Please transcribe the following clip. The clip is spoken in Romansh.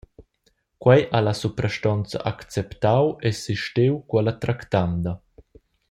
Quei ha la suprastonza acceptau e sistiu quella tractanda.